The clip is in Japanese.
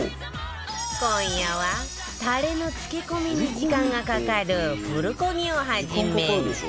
今夜はタレの漬け込みに時間がかかるプルコギをはじめ